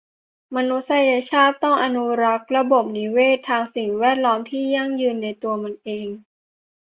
มนุษยชาติต้องอนุรักษ์ระบบนิเวศน์ทางสิ่งแวดล้อมที่ยั่งยืนในตัวมันเอง